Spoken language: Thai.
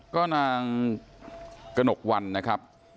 ก็นางกนกวัลนะครับ